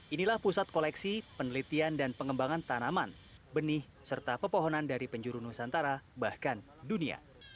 inilah pusat koleksi penelitian dan pengembangan tanaman benih serta pepohonan dari penjuru nusantara bahkan dunia